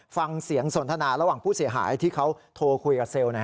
ฟังเสียงสนทนาระหว่างผู้เสียหายที่เขาโทรคุยกับเซลล์หน่อย